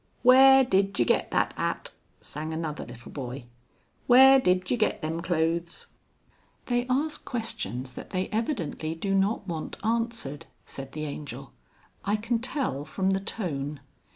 "Where did you get that 'at?" sang another little boy. "Where did you get them clo'es?" "They ask questions that they evidently do not want answered," said the Angel. "I can tell from the tone."